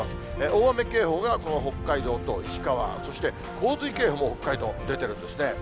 大雨警報が北海道と石川、そして洪水警報も北海道、出てるんですね。